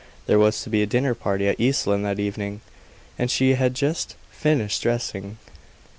There was to be a dinner party at East Lynne that evening, and she had just finished dressing.